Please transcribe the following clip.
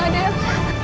kamu pan ya allah